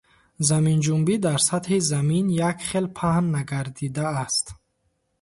Заминҷунбӣ дар сатҳи Замин як хел паҳн нагардидааст.